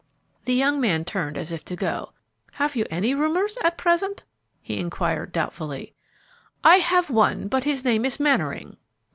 The young man turned as if to go. "Have you any roomers at present?" he inquired, doubtfully. "I have one, but his name is Mannering."